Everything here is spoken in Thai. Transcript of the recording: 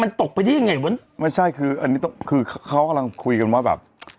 มันตกไปได้ยังไงเว้นไม่ใช่คืออันนี้ต้องคือเขากำลังคุยกันว่าแบบ